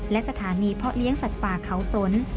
และสถานีเพาะเลี้ยงสัตว์ป่าเขาสน